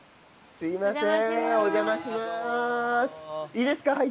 すいません。